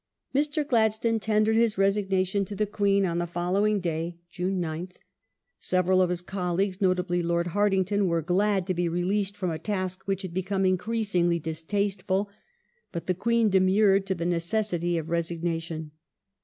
Mr. Gladstone tendered his resignation to the Queen on the The first following day (June 9th). Several of his colleagues — notably Lord AdmhJis^ Hartington — were glad to be released from a task which hadtration become increasingly distasteful, but the Queen demurred to the necessity of resignation.